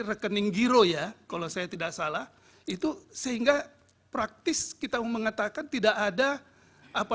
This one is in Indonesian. rekening giro ya kalau saya tidak salah itu sehingga praktis kita mengatakan tidak ada apa